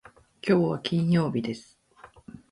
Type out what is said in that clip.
きょうは金曜日です。